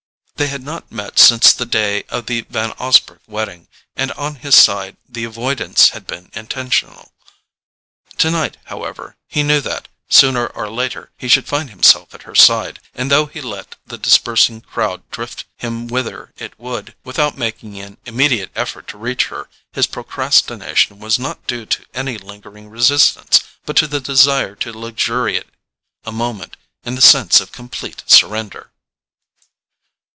They had not met since the day of the Van Osburgh wedding, and on his side the avoidance had been intentional. Tonight, however, he knew that, sooner or later, he should find himself at her side; and though he let the dispersing crowd drift him whither it would, without making an immediate effort to reach her, his procrastination was not due to any lingering resistance, but to the desire to luxuriate a moment in the sense of complete surrender.